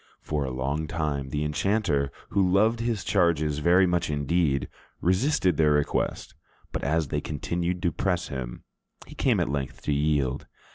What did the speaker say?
For a long time the enchanter, who loved his charges very much indeed, resisted their request; but as they continued to press him, he came at length to yield.